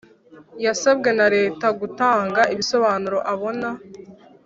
yasabwe na Leta gutanga ibisobanuro abona